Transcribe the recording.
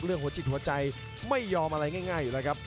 หัวจิตหัวใจไม่ยอมอะไรง่ายอยู่แล้วครับ